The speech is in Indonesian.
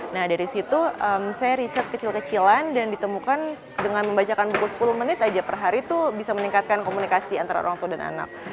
nah dari situ saya riset kecil kecilan dan ditemukan dengan membacakan buku sepuluh menit aja per hari tuh bisa meningkatkan komunikasi antara orang tua dan anak